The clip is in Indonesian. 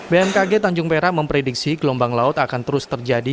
bmkg tanjung perak memprediksi gelombang laut akan terus terjadi